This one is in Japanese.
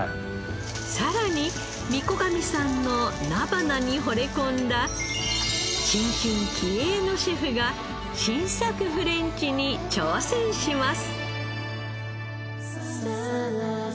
さらに御子神さんの菜花に惚れ込んだ新進気鋭のシェフが新作フレンチに挑戦します。